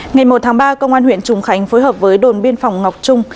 ngày một tháng ba công an huyện trùng khánh phối hợp với đồn biên phòng ngọc trung